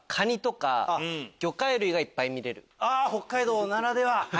北海道ならでは。